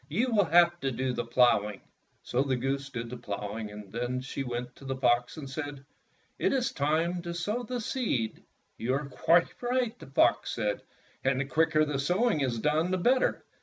You will have to do the ploughing." So the goose did the ploughing, and then she went to the fox and said, "It is time to sow the seed." "You are quite right," the fox said, "and the quicker the sowing is done the better.